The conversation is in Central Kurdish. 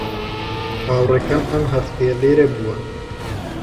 هاوڕێکەم ئەم هەفتەیە لێرە بووە.